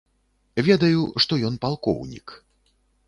Ведаю, што ён палкоўнік.